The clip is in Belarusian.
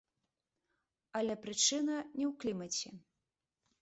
Але прычына не ў клімаце.